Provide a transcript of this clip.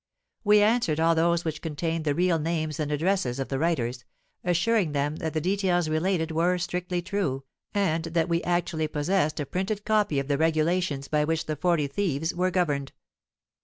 We answered all those which contained the real names and addresses of the writers, assuring them that the details related were strictly true, and that we actually possessed a printed copy of the regulations by which the Forty Thieves were governed.